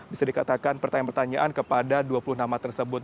bisa dikatakan pertanyaan pertanyaan kepada dua puluh nama tersebut